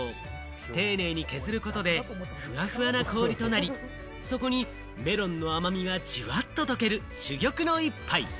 丁寧に削ることで、ふわふわな氷となり、そこにメロンの甘みがジュワっと溶ける珠玉の一杯。